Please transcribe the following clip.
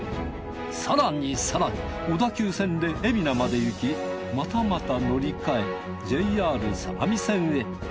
更に更に小田急線で海老名まで行きまたまた乗り換えＪＲ相模線へ。